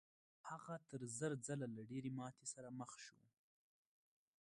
هغه تر زر ځله له ډېرې ماتې سره مخ شو.